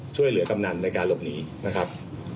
ช่วยเหลือกำนันในการหลบหนีนะครับ